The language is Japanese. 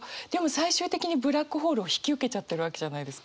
最終的にブラックホールを引き受けちゃってるわけじゃないですか。